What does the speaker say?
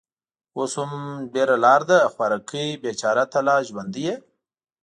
اوس هم ډېره لار ده. خوارکۍ، بېچاره، ته لا ژوندۍ يې؟